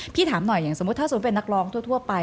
พี่ถามหน่อยอย่างสมมุติถ้าเป็นนักร้องทั่วไป